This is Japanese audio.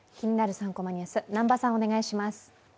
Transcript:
３コマニュース」、南波さん、お願いします。